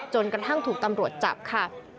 จนกระทั่งถูกตำรวจจับค่ะ